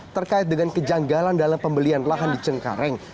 terkait dengan kejanggalan dalam pembelian lahan di cengkareng